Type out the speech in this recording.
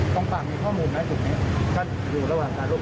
ตรงต่างมีข้อมูลไหมคลุกนี้